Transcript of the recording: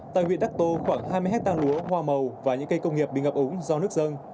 tại huyện đắc tô khoảng hai mươi hectare lúa hoa màu và những cây công nghiệp bị ngập ống do nước dân